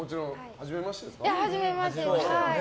はじめましてです。